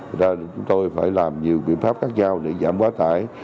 vì vậy chúng tôi phải làm nhiều biện pháp khác nhau để giảm quá tải